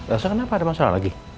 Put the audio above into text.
rasa kenapa ada masalah lagi